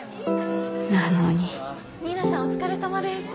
なのに新名さんお疲れさまです。ああ。